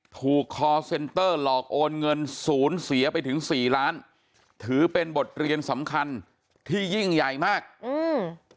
คอร์เซ็นเตอร์หลอกโอนเงินศูนย์เสียไปถึงสี่ล้านถือเป็นบทเรียนสำคัญที่ยิ่งใหญ่มากอืม